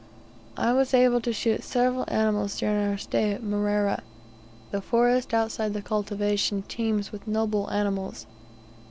I was able to shoot several animals during our stay at Mrera. The forest outside of the cultivation teems with noble animals.